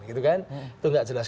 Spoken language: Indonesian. itu nggak jelas